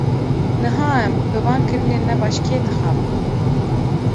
Niha em, bi van kirinên nebaş kê dixapînin?